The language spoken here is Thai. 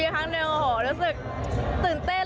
ครั้งหนึ่งโอ้โหรู้สึกตื่นเต้น